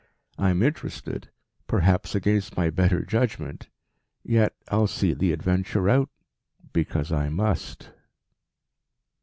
I'm interested perhaps against my better judgment. Yet I'll see the adventure out because I must."